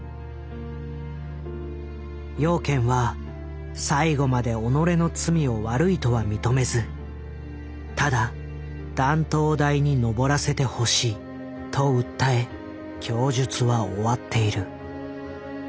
養賢は最後まで己の罪を悪いとは認めずただ「断頭台にのぼらせてほしい」と訴え供述は終わっている。